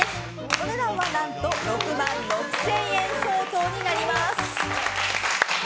お値段は何と６万６０００円相当になります。